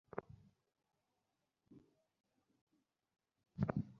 ভারতীয় অর্থায়নে সৈয়দপুরে আরও একটি নতুন রেলকোচ কারখানা নির্মাণ করা হবে।